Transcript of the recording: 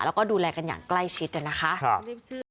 แล้วก็ดูแลกันอย่างใกล้ชิดนะคะ